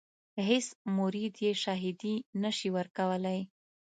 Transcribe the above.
هیڅ مرید یې شاهدي نه شي ورکولای.